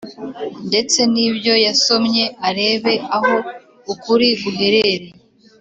ndetse n’ibyo yasomye arebe aho ukuri guherereye.